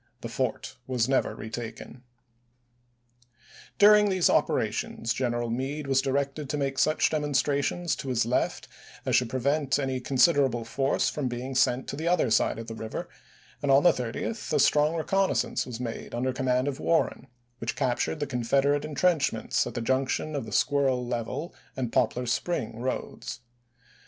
The fort was never retaken. During these operations General Meade was directed to make such demonstrations to his left as should prevent any considerable force from being sent to the other side of the river, and on the 30th a strong reconnaissance was made under command of Warren, which captured the Con federate intrenchments at the junction of the Squirrel Level and Poplar Spring roads.